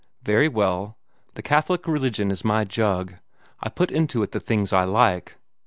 Very well; the Catholic religion is my jug. I put into it the things I like.